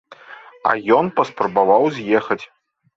А ён паспрабаваў з'ехаць.